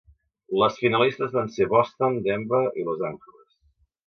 Les finalistes van ser Boston, Denver i Los Angeles.